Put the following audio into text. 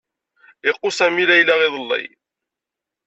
Iqqu sami layla iḍlli